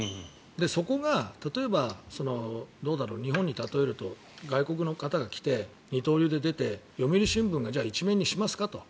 そこが例えば日本に例えると外国の方が来て、二刀流で出て読売新聞がじゃあ、１面にしますかと。